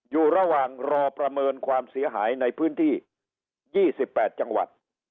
อยู่ระหว่างรอประเมินความเสียหายในพื้นที่๒๘จังหวัด